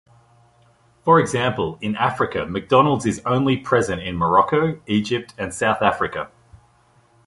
For example, in Africa McDonald's is only present in Morocco, Egypt and South Africa.